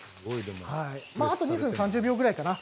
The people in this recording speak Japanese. あと２分３０秒ぐらいかな。